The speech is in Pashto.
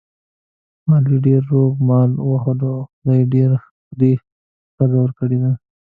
علي ډېر روغ مال ووهلو، خدای ډېره ښه ښکلې ښځه ور کړې ده.